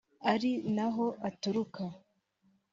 ari naho aturuka